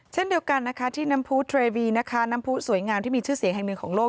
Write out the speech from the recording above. เช่นเดียวกันนะคะที่น้ำผู้เทรวีนะคะน้ำผู้สวยงามที่มีชื่อเสียงแห่งหนึ่งของโลก